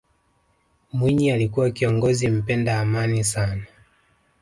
mwinyi alikuwa kiongozi mpenda amani sana